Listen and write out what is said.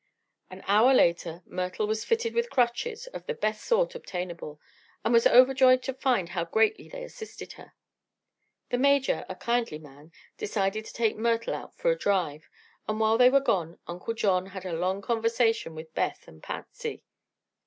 An hour later Myrtle was fitted with crutches of the best sort obtainable, and was overjoyed to find how greatly they assisted her. The Major, a kindly man, decided to take Myrtle out for a drive, and while they were gone Uncle John had a long conversation with Beth and Patsy.